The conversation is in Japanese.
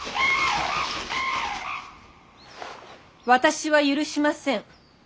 私は許しません。